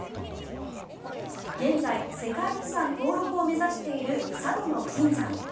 現在世界遺産登録を目指している佐渡島の金山。